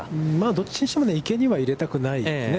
どっちにしても池には入れたくないですよね。